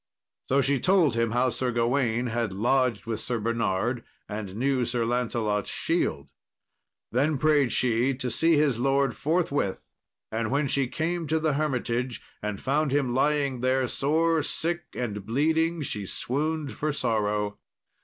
So she told him how Sir Gawain had lodged with Sir Bernard, and knew Sir Lancelot's shield. Then prayed she to see his lord forthwith, and when she came to the hermitage and found him lying there sore sick and bleeding, she swooned for sorrow.